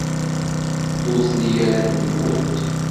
Ur tli ara tanfult.